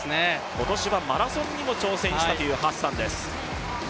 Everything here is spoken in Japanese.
今年はマラソンにも挑戦したというハッサンです。